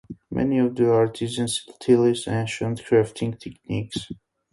Many of the artisans utilize ancient crafting techniques.